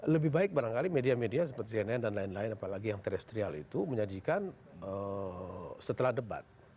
lebih baik barangkali media media seperti cnn dan lain lain apalagi yang terestrial itu menyajikan setelah debat